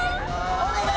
お願い！